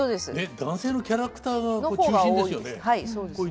男性のキャラクターが中心ですよね。